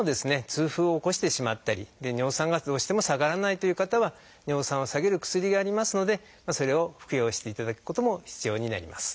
痛風を起こしてしまったり尿酸がどうしても下がらないという方は尿酸を下げる薬がありますのでそれを服用していただくことも必要になります。